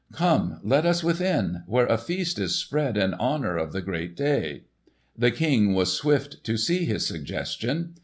"Come, let us within where a feast is spread in honour of the great day." The King was swift to see his suggestion.